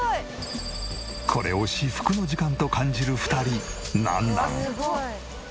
これを至福の時間と感じる２人。